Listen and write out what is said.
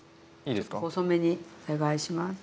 細めにお願いします。